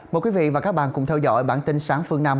mời quý vị và các bạn cùng theo dõi bản tin sáng phương nam